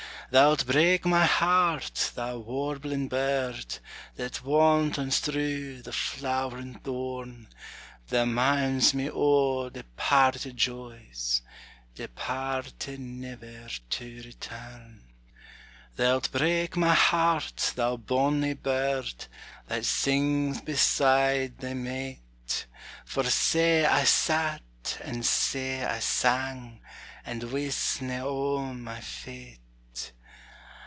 Thou'lt break my heart, thou warbling bird, That wantons through the flowering thorn; Thou minds me o' departed joys, Departed never to return. Thou'lt break my heart, thou bonnie bird, That sings beside thy mate; For sae I sat, and sae I sang, And wistna o' my fate.